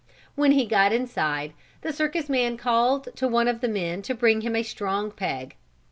When he got inside, the circus man called to one of the men to bring him a strong peg.